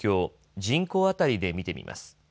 人口当たりで見てみます。